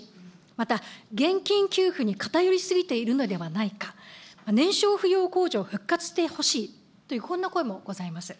また、現金給付に偏り過ぎているのではないか、年少扶養控除を復活してほしいという、こんな声もございます。